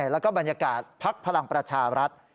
แล้วก็บรรยากาศพักพลังประชารัฐ